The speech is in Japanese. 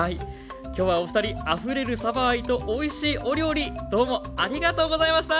きょうはおふたりあふれるさば愛とおいしいお料理どうもありがとうございました。